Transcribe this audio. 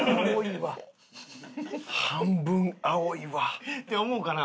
半分青いわ。って思うかな？